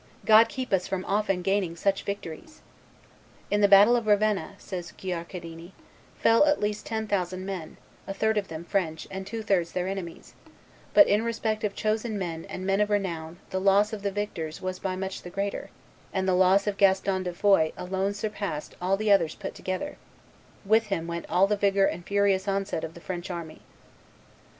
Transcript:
God keep us from often gaining such victories!" "In the battle of Ravenna," says Guicciardini, "fell at least ten thousand men, a third of them French, and two thirds their enemies; but in respect of chosen men and men of renown the loss of the victors was by much the greater, and the loss of Gaston de Foix alone surpassed all the others put together; with him went all the vigor and furious onset of the French army."